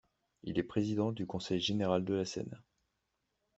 Il est président du conseil général de la Seine.